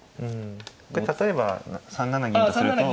これ例えば３七銀とすると。